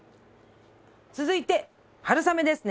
続いて春雨ですね。